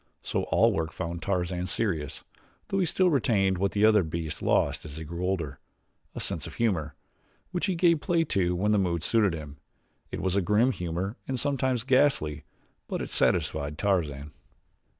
So all work found Tarzan serious, though he still retained what the other beasts lost as they grew older a sense of humor, which he gave play to when the mood suited him. It was a grim humor and sometimes ghastly; but it satisfied Tarzan.